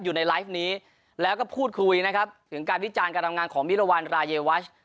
อยู่ในไลฟ์นี้แล้วก็พูดคุยนะครับถึงการวิจารณ์การทำงานของมิรวรรณรายวัช